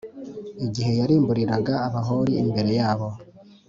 igihe yarimburiraga abahori+ imbere yabo